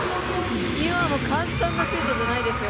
今の、簡単なシュートじゃないですよ。